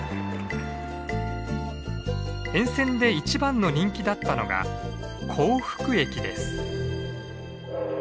沿線で一番の人気だったのが幸福駅です。